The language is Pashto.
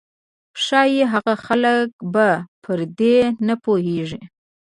ښايي هغه خلک به پر دې نه پوهېږي.